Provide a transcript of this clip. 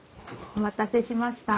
お待たせしました。